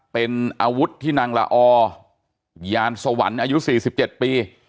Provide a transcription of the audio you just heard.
เป็นอาวุธที่นางละออยานสวรรค์อายุสี่สิบเจ็ดปี